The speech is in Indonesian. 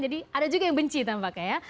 jadi ada juga yang benci tampaknya ya